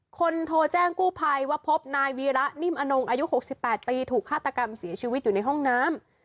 คนโทรแจ้งกู้ภัยว่าพบนายวีระนิ่มอนงอายุ๖๘ปีถูกฆาตกรรมเสียชีวิตอยู่ในห้องน้ำ